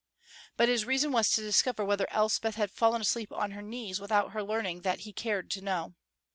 But his reason was to discover whether Elspeth had fallen asleep on her knees without her learning that he cared to know.